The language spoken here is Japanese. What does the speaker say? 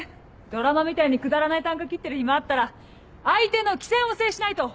ドラマみたいにくだらない啖呵切ってる暇あったら相手の機先を制しないと。